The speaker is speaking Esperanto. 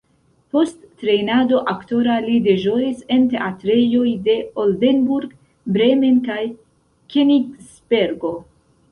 Post trejnado aktora li deĵoris en teatrejoj de Oldenburg, Bremen kaj Kenigsbergo.